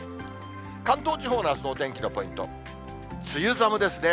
関東地方のあすのお天気のポイント、梅雨寒ですね。